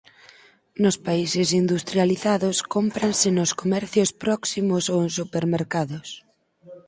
Nos países industrializados cómpranse nos comercios próximos ou en supermercados.